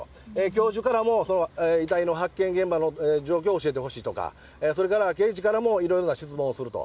教授からも、遺体の発見現場の状況を教えてほしいとか、それから、現地からもいろいろな質問をすると。